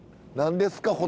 何ですか？